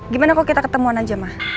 gimana kalau kita ketemuan aja ma